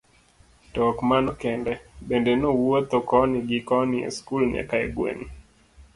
To ok mano kende, bende nowuotho koni gi koni e skul nyaka e gweng'.